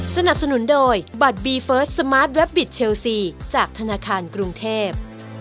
สนับสนุนโดยบัตรบีเฟิร์สสมาร์ทแวบบิตเชลซีจากธนาคารกรุงเทพ